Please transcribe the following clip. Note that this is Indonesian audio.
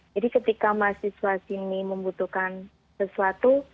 jadi ketika mahasiswa ini membutuhkan sesuatu